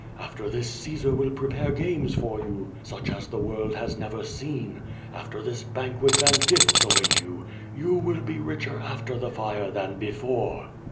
After this Caesar will prepare games for you such as the world has never seen. After this banquets and gifts await you. You will be richer after the fire than before."